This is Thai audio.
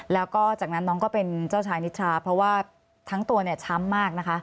แล้วก็จากนั้นน้องก็เป็นเจ้าชายนิชาเพราะว่าทั้งตัวเนี่ยช้ำมากนะคะ